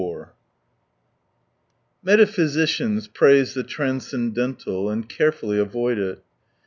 4 Metaphysicians praise the transcendental, and carefully avoid it.